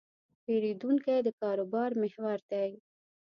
پیرودونکی د کاروبار محور دی.